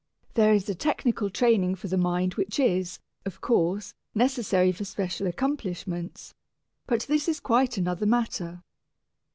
There is a technical training for the mind which is, of course, necessary for special accomplishments, but this is quite another matter.